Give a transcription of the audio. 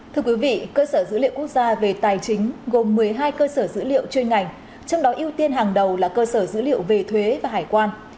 thưa quý vị cơ sở dữ liệu quốc gia về tài chính gồm một mươi hai cơ sở dữ liệu chuyên ngành trong đó ưu tiên hàng đầu là cơ sở dữ liệu về thuế và hải quan